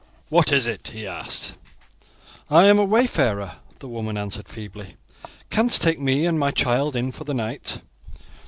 "What is it?" he asked. "I am a wayfarer," the woman answered feebly. "Canst take me and my child in for the night?"